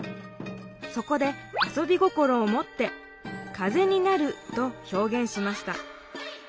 そこであそび心を持って「風になる」とひょうげんしました。